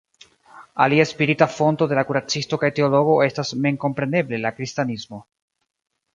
Alia spirita fonto de la kuracisto kaj teologo estas memkompreneble la kristanismo.